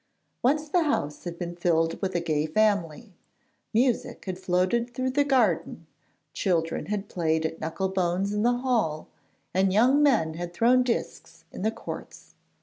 Once the house had been filled with a gay family; music had floated through the garden, children had played at knuckle bones in the hall, and young men had thrown discs in the courts.